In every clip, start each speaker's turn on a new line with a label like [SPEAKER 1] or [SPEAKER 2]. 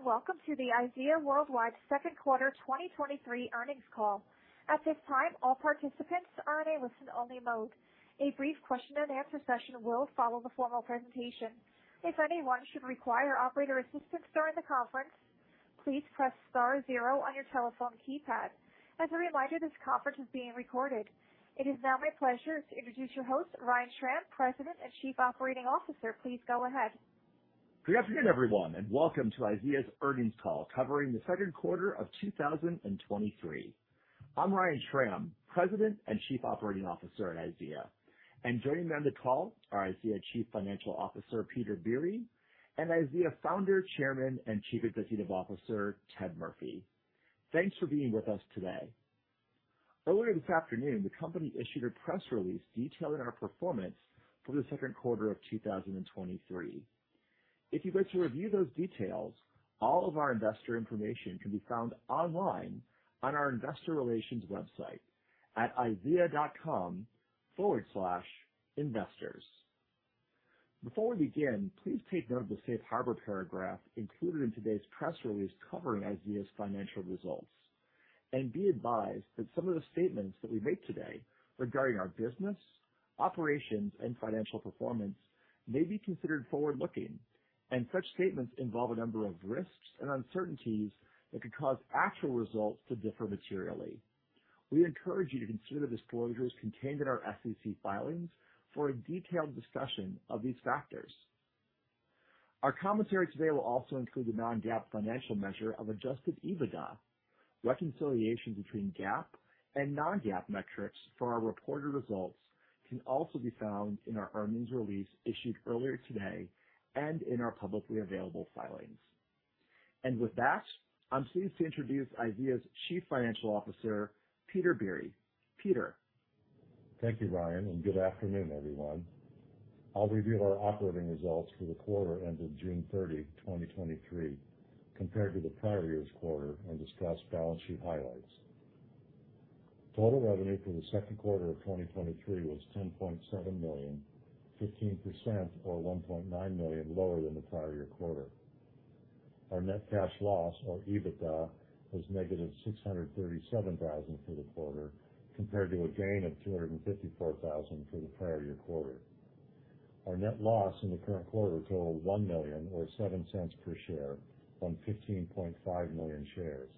[SPEAKER 1] Welcome to the IZEA Worldwide Second Quarter 2023 earnings call. At this time, all participants are in a listen-only mode. A brief question-and-answer session will follow the formal presentation. If anyone should require operator assistance during the conference, please press star 0 on your telephone keypad. As a reminder, this conference is being recorded. It is now my pleasure to introduce your host, Ryan Schram, President and Chief Operating Officer. Please go ahead.
[SPEAKER 2] Good afternoon, everyone, and welcome to IZEA's earnings call covering the second quarter of 2023. I'm Ryan Schram, President and Chief Operating Officer at IZEA, and joining me on the call are IZEA Chief Financial Officer, Peter Biere, and IZEA Founder, Chairman, and Chief Executive Officer, Ted Murphy. Thanks for being with us today. Earlier this afternoon, the company issued a press release detailing our performance for the second quarter of 2023. If you'd like to review those details, all of our investor information can be found online on our investor relations website at IZEA.com/investors. Before we begin, please take note of the safe harbor included in today's press release covering IZEA's financial results. Be advised that some of the statements that we make today regarding our business, operations, and financial performance may be considered forward-looking, and such statements involve a number of risks and uncertainties that could cause actual results to differ materially. We encourage you to consider the disclosures contained in our SEC filings for a detailed discussion of these factors. Our commentary today will also include the non-GAAP financial measure of Adjusted EBITDA. Reconciliation between GAAP and non-GAAP metrics for our reported results can also be found in our earnings release issued earlier today and in our publicly available filings. With that, I'm pleased to introduce IZEA's Chief Financial Officer, Peter Biere. Peter?
[SPEAKER 3] Thank you, Ryan, and good afternoon, everyone. I'll review our operating results for the quarter ended June 30, 2023, compared to the prior year's quarter, and discuss balance sheet highlights. Total revenue for the second quarter of 2023 was $10.7 million, 15% or $1.9 million lower than the prior year quarter. Our net cash loss, or EBITDA, was negative $637,000 for the quarter, compared to a gain of $254,000 for the prior year quarter. Our net loss in the current quarter totaled $1 million, or $0.07 per share on 15.5 million shares,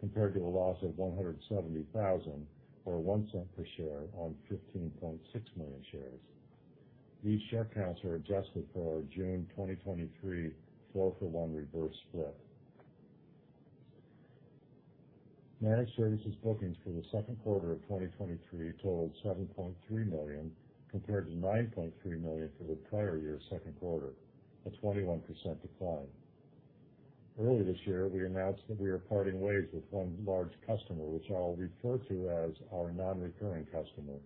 [SPEAKER 3] compared to a loss of $170,000, or $0.01 per share on 15.6 million shares. These share counts are adjusted for our June 2023 1-for-4 reverse split. Managed services bookings for the second quarter of 2023 totaled $7.3 million, compared to $9.3 million for the prior year's second quarter, a 21% decline. Earlier this year, we announced that we are parting ways with one large customer, which I will refer to as our non-recurring customer.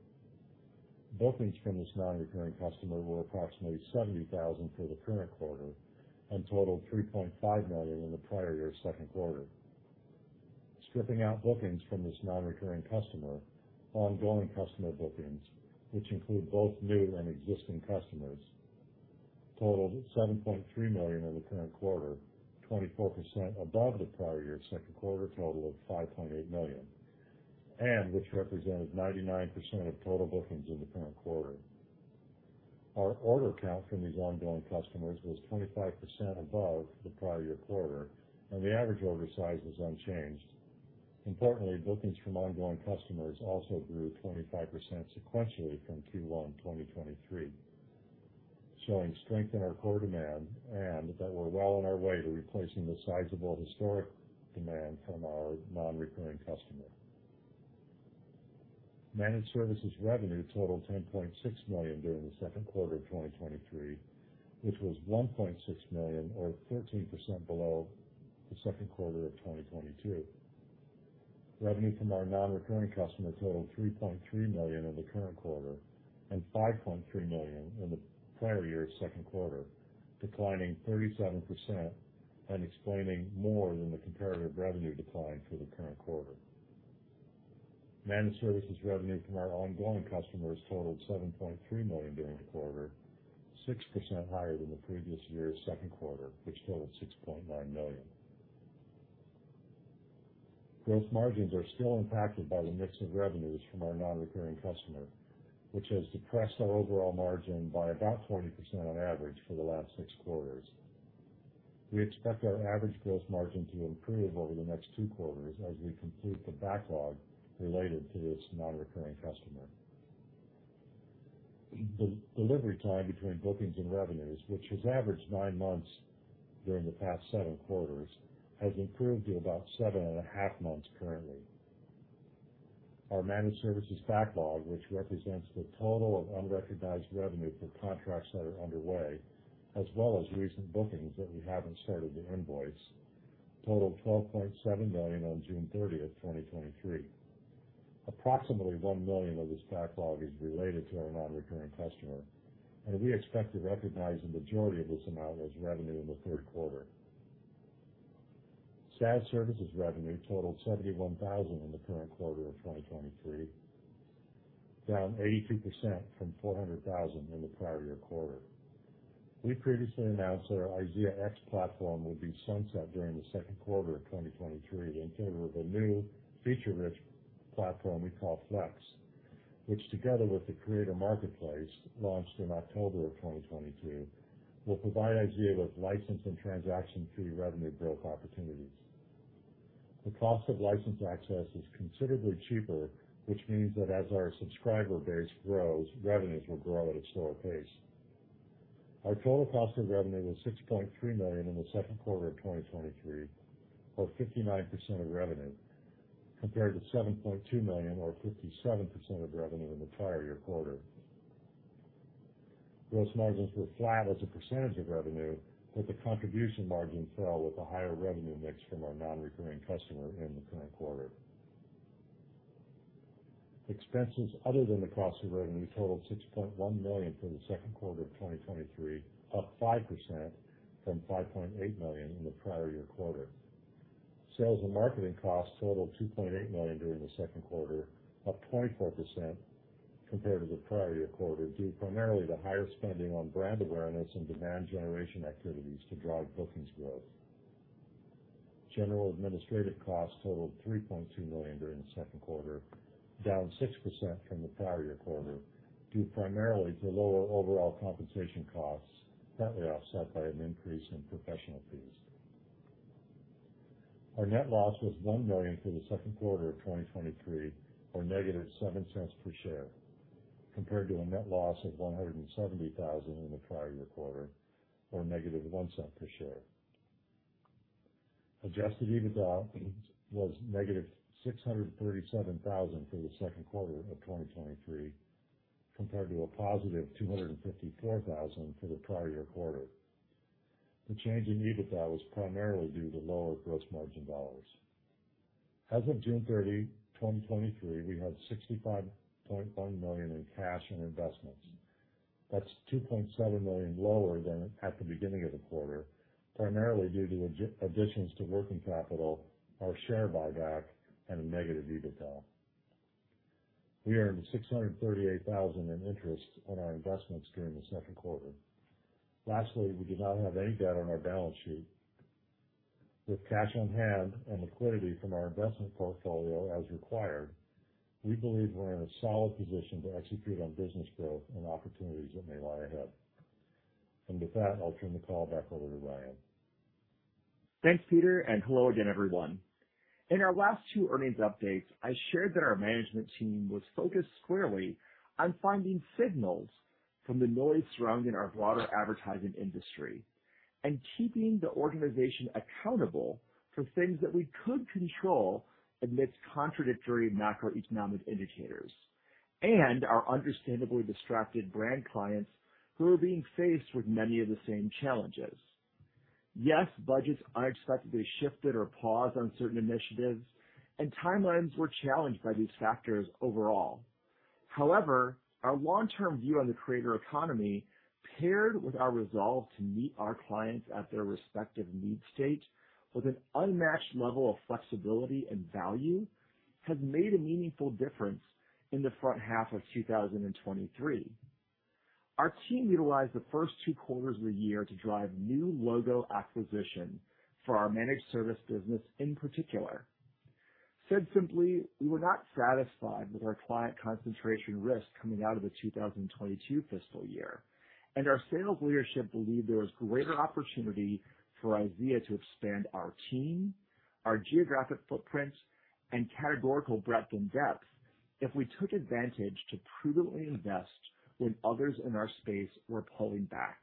[SPEAKER 3] Bookings from this non-recurring customer were approximately $70,000 for the current quarter and totaled $3.5 million in the prior year's second quarter. Stripping out bookings from this non-recurring customer, ongoing customer bookings, which include both new and existing customers, totaled $7.3 million in the current quarter, 24% above the prior year's second quarter total of $5.8 million, and which represented 99% of total bookings in the current quarter. Our order count from these ongoing customers was 25% above the prior year quarter, and the average order size was unchanged. Importantly, bookings from ongoing customers also grew 25% sequentially from Q1 2023, showing strength in our core demand and that we're well on our way to replacing the sizable historic demand from our non-recurring customer. Managed services revenue totaled $10.6 million during the second quarter of 2023, which was $1.6 million or 13% below the second quarter of 2022. Revenue from our non-recurring customer totaled $3.3 million in the current quarter and $5.3 million in the prior year's second quarter, declining 37% and explaining more than the comparative revenue decline for the current quarter. Managed services revenue from our ongoing customers totaled $7.3 million during the quarter, 6% higher than the previous year's second quarter, which totaled $6.9 million. Gross margins are still impacted by the mix of revenues from our non-recurring customer, which has depressed our overall margin by about 20% on average for the last six quarters. We expect our average gross margin to improve over the next two quarters as we complete the backlog related to this non-recurring customer. The delivery time between bookings and revenues, which has averaged nine months during the past seven quarters, has improved to about 7.5 months currently. Our managed services backlog, which represents the total of unrecognized revenue for contracts that are underway, as well as recent bookings that we haven't started to invoice, totaled $12.7 million on June 30, 2023. Approximately $1 million of this backlog is related to our non-recurring customer, and we expect to recognize the majority of this amount as revenue in the third quarter. SaaS services revenue totaled $71,000 in the current quarter of 2023, down 82% from $400,000 in the prior year quarter. We previously announced that our IZEAx platform would be sunset during the second quarter of 2023 in favor of a new feature-rich platform we call Flex, which together with The Creator Marketplace, launched in October 2022, will provide IZEA with license and transaction fee revenue growth opportunities. The cost of license access is considerably cheaper, which means that as our subscriber base grows, revenues will grow at a slower pace. Our total cost of revenue was $6.3 million in the second quarter of 2023, or 59% of revenue, compared to $7.2 million or 57% of revenue in the prior year quarter. Gross margins were flat as a percentage of revenue, but the contribution margin fell with a higher revenue mix from our non-recurring customer in the current quarter. Expenses other than the cost of revenue totaled $6.1 million for the second quarter of 2023, up 5% from $5.8 million in the prior year quarter. Sales and marketing costs totaled $2.8 million during the second quarter, up 24% compared to the prior year quarter, due primarily to higher spending on brand awareness and demand generation activities to drive bookings growth. General and administrative costs totaled $3.2 million during the second quarter, down 6% from the prior year quarter, due primarily to lower overall compensation costs, partly offset by an increase in professional fees. Our net loss was $1 million for the second quarter of 2023, or negative $0.07 per share, compared to a net loss of $170,000 in the prior year quarter, or negative $0.01 per share. Adjusted EBITDA was negative $637,000 for the second quarter of 2023, compared to a positive $254,000 for the prior year quarter. The change in EBITDA was primarily due to lower gross margin dollars. As of June 30, 2023, we had $65.1 million in cash and investments. That's $2.7 million lower than at the beginning of the quarter, primarily due to additions to working capital, our share buyback, and a negative EBITDA. We earned $638,000 in interest on our investments during the second quarter. Lastly, we do not have any debt on our balance sheet. With cash on hand and liquidity from our investment portfolio as required, we believe we're in a solid position to execute on business growth and opportunities that may lie ahead. With that, I'll turn the call back over to Ryan.
[SPEAKER 2] Thanks, Peter. Hello again, everyone. In our last two earnings updates, I shared that our management team was focused squarely on finding signals from the noise surrounding our broader advertising industry and keeping the organization accountable for things that we could control amidst contradictory macroeconomic indicators, and our understandably distracted brand clients who are being faced with many of the same challenges. Yes, budgets unexpectedly shifted or paused on certain initiatives, and timelines were challenged by these factors overall. However, our long-term view on the Creator Economy, paired with our resolve to meet our clients at their respective need state with an unmatched level of flexibility and value, has made a meaningful difference in the front half of 2023. Our team utilized the first 2 quarters of the year to drive new logo acquisition for our managed services in particular. Said simply, we were not satisfied with our client concentration risk coming out of the 2022 fiscal year, and our sales leadership believed there was greater opportunity for IZEA to expand our team, our geographic footprint, and categorical breadth and depth if we took advantage to prudently invest when others in our space were pulling back.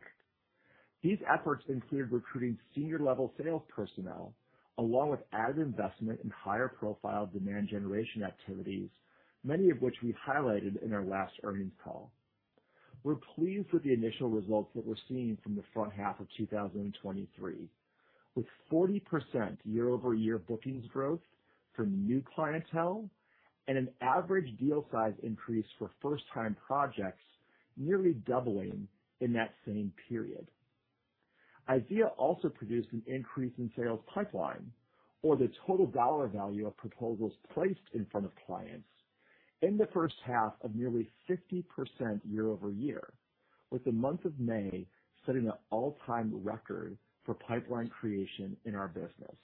[SPEAKER 2] These efforts included recruiting senior-level sales personnel, along with added investment in higher profile demand generation activities, many of which we highlighted in our last earnings call. We're pleased with the initial results that we're seeing from the front half of 2023, with 40% year-over-year bookings growth from new clientele and an average deal size increase for first-time projects, nearly doubling in that same period. IZEA also produced an increase in sales pipeline or the total dollar value of proposals placed in front of clients in the first half of nearly 50% year-over-year, with the month of May setting an all-time record for pipeline creation in our business.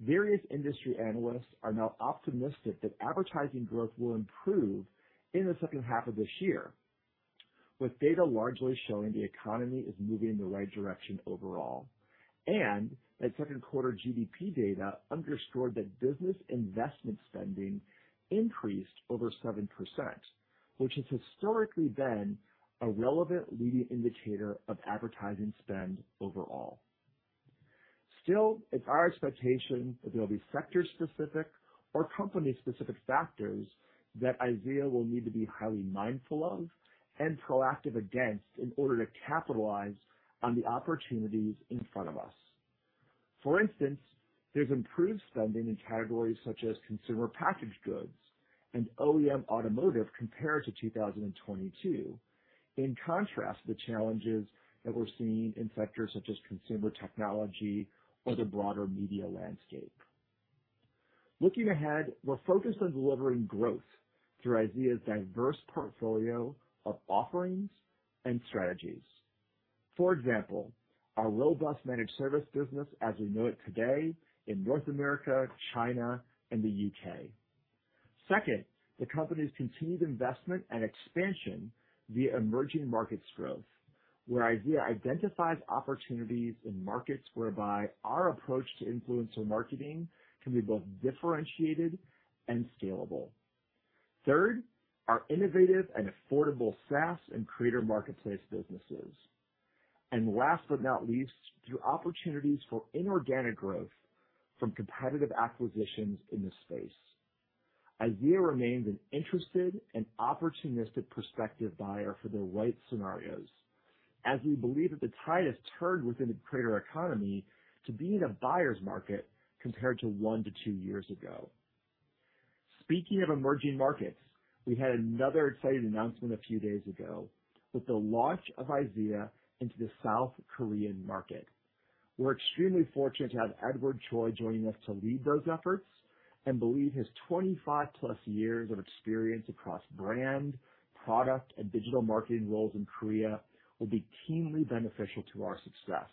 [SPEAKER 2] Various industry analysts are now optimistic that advertising growth will improve in the second half of this year, with data largely showing the economy is moving in the right direction overall, and that second quarter GDP data underscored that business investment spending increased over 7%, which has historically been a relevant leading indicator of advertising spend overall. Still, it's our expectation that there will be sector-specific or company-specific factors that IZEA will need to be highly mindful of and proactive against in order to capitalize on the opportunities in front of us. For instance, there's improved spending in categories such as consumer packaged goods and OEM automotive compared to 2022. In contrast to the challenges that we're seeing in sectors such as consumer technology or the broader media landscape. Looking ahead, we're focused on delivering growth through IZEA's diverse portfolio of offerings and strategies. For example, our robust managed services business as we know it today in North America, China, and the U.K. Second, the company's continued investment and expansion via emerging markets growth, where IZEA identifies opportunities in markets whereby our approach to influencer marketing can be both differentiated and scalable. Third, our innovative and affordable SaaS and Creator Marketplace businesses. Last but not least, through opportunities for inorganic growth from competitive acquisitions in this space. IZEA remains an interested and opportunistic prospective buyer for the right scenarios, as we believe that the tide has turned within the Creator Economy to being a buyer's market compared to one to two years ago. Speaking of emerging markets, we had another exciting announcement a few days ago with the launch of IZEA into the South Korean market. We're extremely fortunate to have Edward Choi joining us to lead those efforts, and believe his 25+ years of experience across brand, product, and digital marketing roles in Korea will be keenly beneficial to our success.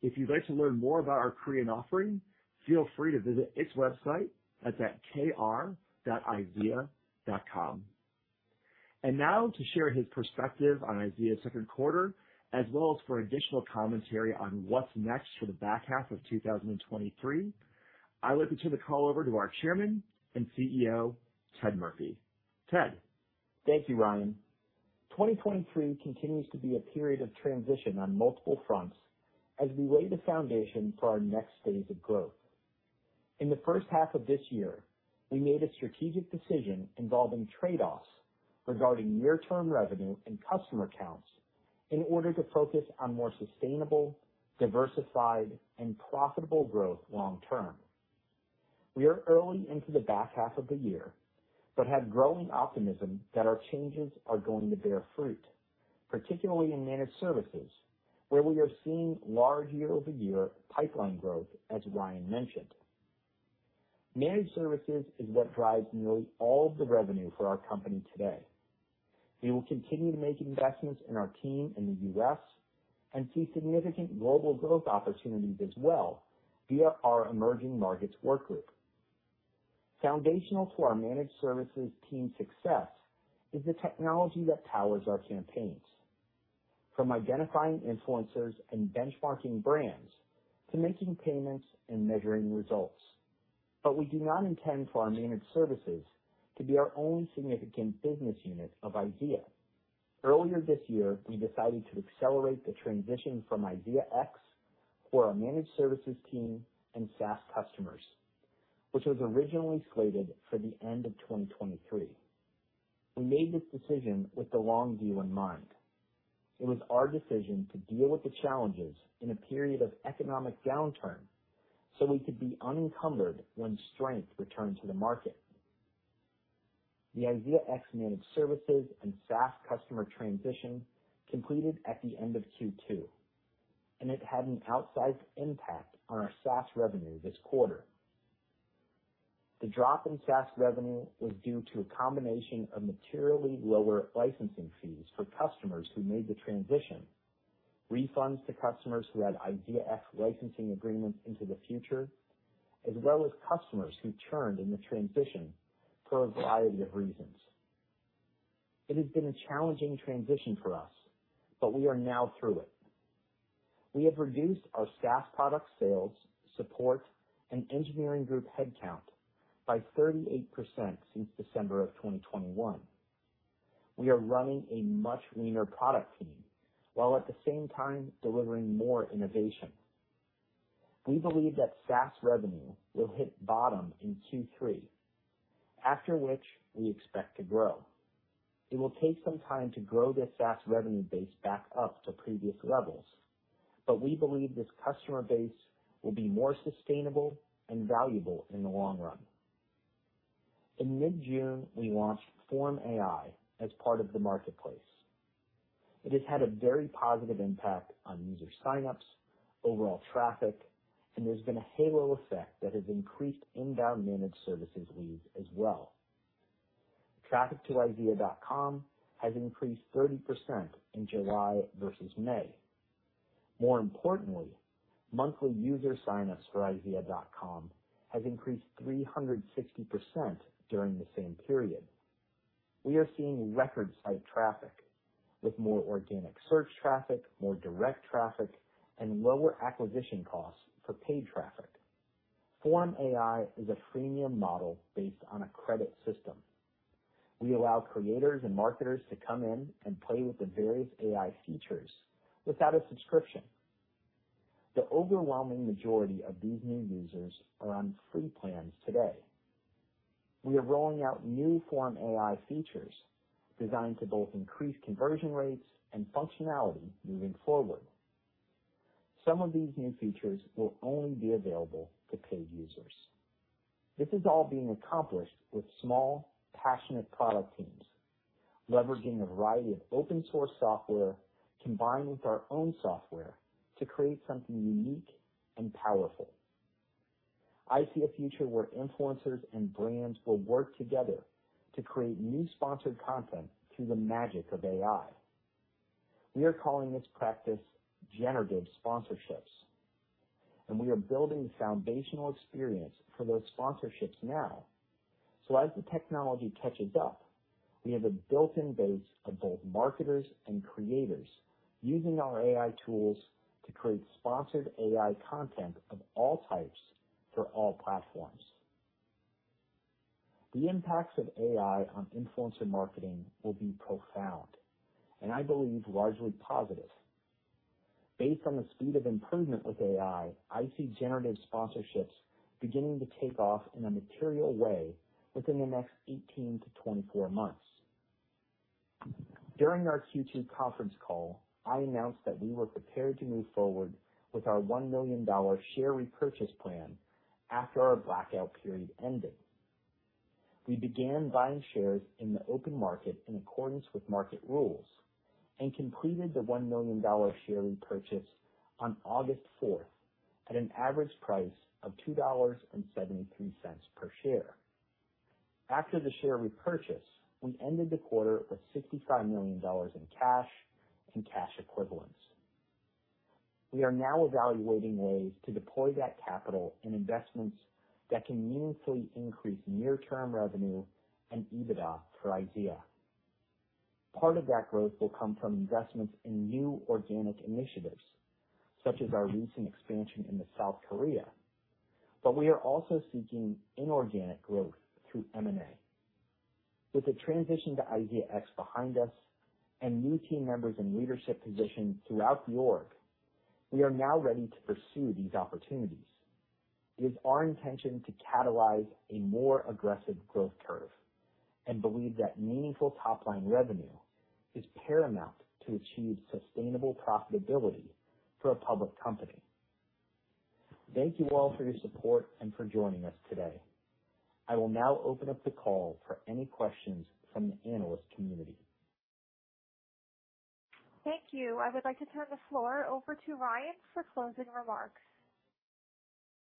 [SPEAKER 2] If you'd like to learn more about our Korean offering, feel free to visit its website. That's at kr.izea.com. Now to share his perspective on IZEA's second quarter, as well as for additional commentary on what's next for the back half of 2023, I will turn the call over to our Chairman and CEO, Ted Murphy. Ted?
[SPEAKER 4] Thank you, Ryan. 2023 continues to be a period of transition on multiple fronts as we lay the foundation for our next phase of growth. In the first half of this year, we made a strategic decision involving trade-offs regarding near-term revenue and customer counts in order to focus on more sustainable, diversified, and profitable growth long term. We are early into the back half of the year, but have growing optimism that our changes are going to bear fruit, particularly in managed services, where we are seeing large year-over-year pipeline growth, as Ryan mentioned. Managed services is what drives nearly all of the revenue for our company today. We will continue to make investments in our team in the U.S. and see significant global growth opportunities as well via our emerging markets work group. Foundational to our managed services team's success is the technology that powers our campaigns, from identifying influencers and benchmarking brands to making payments and measuring results. We do not intend for our managed services to be our only significant business unit of IZEA. Earlier this year, we decided to accelerate the transition from IZEAx for our managed services team and SaaS customers, which was originally slated for the end of 2023. We made this decision with the long view in mind. It was our decision to deal with the challenges in a period of economic downturn, so we could be unencumbered when strength returned to the market. The IZEAx managed services and SaaS customer transition completed at the end of Q2. It had an outsized impact on our SaaS revenue this quarter. The drop in SaaS revenue was due to a combination of materially lower licensing fees for customers who made the transition, refunds to customers who had IZEAx licensing agreements into the future, as well as customers who churned in the transition for a variety of reasons. It has been a challenging transition for us, but we are now through it. We have reduced our SaaS product sales, support, and engineering group headcount by 38% since December of 2021. We are running a much leaner product team, while at the same time delivering more innovation. We believe that SaaS revenue will hit bottom in Q3, after which we expect to grow. It will take some time to grow this SaaS revenue base back up to previous levels, but we believe this customer base will be more sustainable and valuable in the long run. In mid-June, we launched FormAI as part of the marketplace. It has had a very positive impact on user sign-ups, overall traffic, and there's been a halo effect that has increased inbound managed services leads as well. Traffic to IZEA.com has increased 30% in July versus May. More importantly, monthly user sign-ups for IZEA.com has increased 360% during the same period. We are seeing record site traffic with more organic search traffic, more direct traffic, and lower acquisition costs for paid traffic. FormAI is a freemium model based on a credit system. We allow creators and marketers to come in and play with the various AI features without a subscription. The overwhelming majority of these new users are on free plans today. We are rolling out new FormAI features designed to both increase conversion rates and functionality moving forward. Some of these new features will only be available to paid users. This is all being accomplished with small, passionate product teams, leveraging a variety of open source software, combined with our own software to create something unique and powerful. I see a future where influencers and brands will work together to create new sponsored content through the magic of AI. We are calling this practice Generative Sponsorships, and we are building the foundational experience for those sponsorships now. As the technology catches up, we have a built-in base of both marketers and creators using our AI tools to create sponsored AI content of all types for all platforms. The impacts of AI on influencer marketing will be profound, and I believe largely positive. Based on the speed of improvement with AI, I see Generative Sponsorships beginning to take off in a material way within the next 18-24 months. During our Q2 conference call, I announced that we were prepared to move forward with our $1 million share repurchase plan after our blackout period ended. We began buying shares in the open market in accordance with market rules and completed the $1 million share repurchase on August 4th, at an average price of $2.73 per share. After the share repurchase, we ended the quarter with $65 million in cash and cash equivalents. We are now evaluating ways to deploy that capital in investments that can meaningfully increase near-term revenue and EBITDA for IZEA. Part of that growth will come from investments in new organic initiatives, such as our recent expansion into South Korea. We are also seeking inorganic growth through M&A. With the transition to IZEAx behind us and new team members in leadership positions throughout the org, we are now ready to pursue these opportunities. It is our intention to catalyze a more aggressive growth curve and believe that meaningful top-line revenue is paramount to achieve sustainable profitability for a public company. Thank you all for your support and for joining us today. I will now open up the call for any questions from the analyst community.
[SPEAKER 1] Thank you. I would like to turn the floor over to Ryan for closing remarks.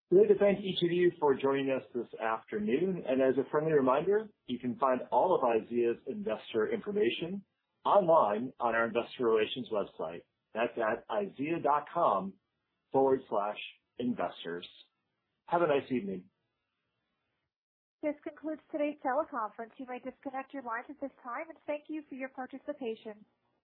[SPEAKER 2] We'd like to thank each of you for joining us this afternoon, and as a friendly reminder, you can find all of IZEA's investor information online on our investor relations website. That's at IZEA.com/investors. Have a nice evening.
[SPEAKER 1] This concludes today's teleconference. You may disconnect your lines at this time, and thank you for your participation.